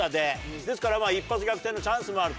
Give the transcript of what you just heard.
ですから一発逆転のチャンスもあると。